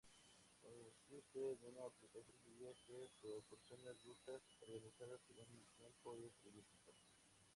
Consiste en una aplicación sencilla que proporciona rutas organizadas según tiempo y trayecto.